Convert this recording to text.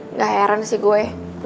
nggak heran sih gue